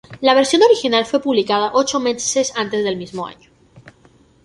La versión original fue publicada ocho meses antes el mismo año.